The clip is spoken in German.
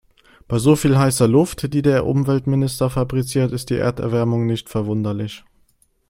Bei so viel heißer Luft, die der Umweltminister fabriziert, ist die Erderwärmung nicht verwunderlich.